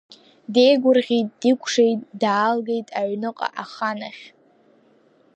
Диеигәырӷьеит, дикәшеит, даалгеит аҩныҟа, ахан ахь.